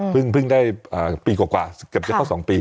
เพิ่งได้ปีกว่าเกือบจะเข้า๒ปี